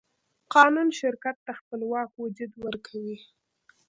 قانون شرکت ته خپلواک وجود ورکوي.